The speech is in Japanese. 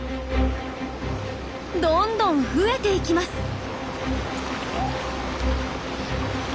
どんどん増えていきます。